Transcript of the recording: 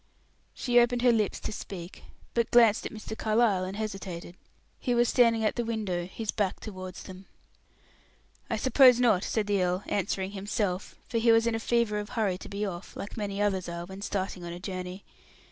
She opened her lips to speak, but glanced at Mr. Carlyle and hesitated. He was standing at the window, his back towards them. "I suppose not," said the earl, answering himself, for he was in a fever of hurry to be off, like many others are when starting on a journey.